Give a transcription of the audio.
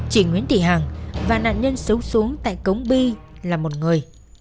chị nguyễn thị hằng và nạn nhân xấu xuống tại cống bi là một người